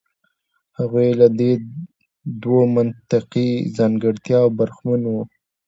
هغوی له دې دوو منطقي ځانګړتیاوو برخمن وو.